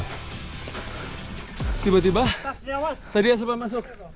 tiba tiba sedia sobat masuk